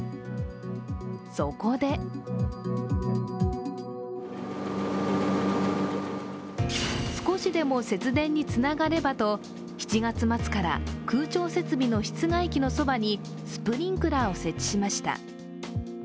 そこで少しでも節電につながればと、７月末から空調設備の室外機のそばにスプリンクラーを設置しました。